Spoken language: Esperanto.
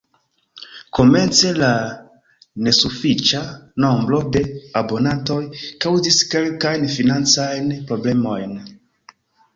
Komence la nesufiĉa nombro de abonantoj kaŭzis kelkajn financajn problemojn.